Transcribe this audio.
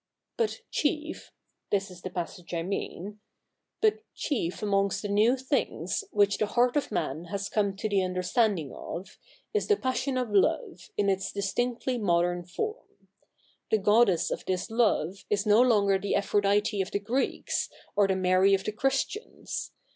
" Btit chief — this is the passage I mean —^^ But chief amongst the ?tew thitigs which the heart of man has come to the understanding of, is the passion of love, in its distinctly modern fo? ?n. The goddess of this love is no longer the Aphi'odite of the Greeks, or th^ Ma?y of the Christians.